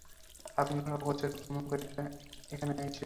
আপনার অগোচরে ভ্রমণ করে এটা এখানে এসেছে!